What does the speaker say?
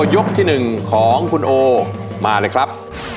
ยกที่๑ของคุณโอมาเลยครับ